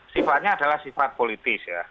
sifatnya adalah sifat politis ya